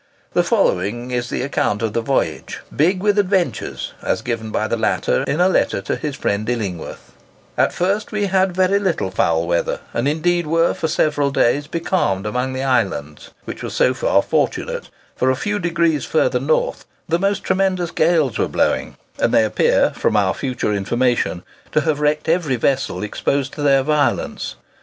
The following is the account of the voyage, "big with adventures," as given by the latter in a letter to his friend Illingworth:—"At first we had very little foul weather, and indeed were for several days becalmed amongst the islands, which was so far fortunate, for a few degrees further north the most tremendous gales were blowing, and they appear (from our future information) to have wrecked every vessel exposed to their violence.